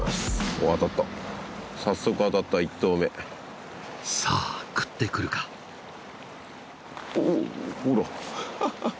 おアタった早速アタった１投目さぁ食ってくるかおおっほらハハハ